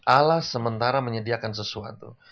allah sementara menyediakan sesuatu